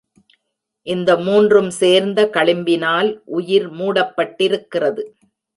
இந்த மூன்றும் சேர்ந்த களிம்பினால் உயிர் மூடப்பட்டிருக்கிறது.